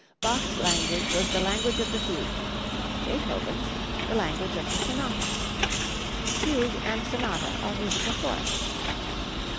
Bach's language was the language of the fugue; Beethoven's the language of the sonata. Fugue and sonata are musical forms.